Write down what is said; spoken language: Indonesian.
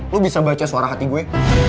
lo bisa baca suara hati gue